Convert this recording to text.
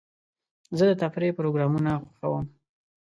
زه د تفریح پروګرامونه خوښوم.